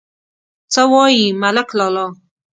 _څه وايي، ملک لالا؟